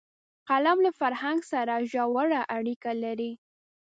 قلم له فرهنګ سره ژوره اړیکه لري